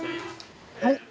はい！